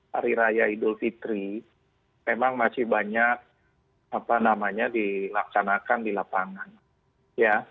hari raya idul fitri memang masih banyak dilaksanakan di lapangan ya